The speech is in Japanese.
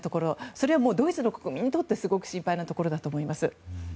それはドイツの国民にとってもすごく心配なところだと思います。